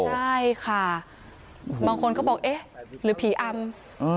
ใช่ค่ะบางคนก็บอกเอ๊ะหรือผีอำ